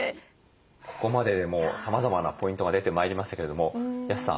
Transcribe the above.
ここまででもさまざまなポイントが出てまいりましたけれども安さん